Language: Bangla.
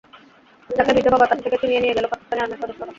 যাকে বৃদ্ধ বাবার কাছ থেকে ছিনিয়ে নিয়ে গেল পাকিস্তানি আর্মির সদস্যরা।